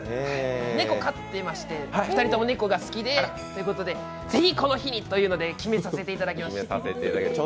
猫、飼ってまして、２人とも猫が好きだということでぜひこの日にということで決めさせていただきました。